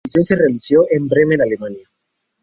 Esta edición se realizó en Bremen, Alemania.